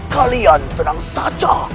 kalian tenang saja